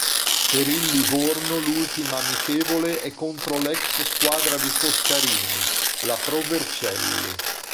Per il Livorno l'ultima amichevole è contro l'ex squadra di Foscarini: la Pro Vercelli.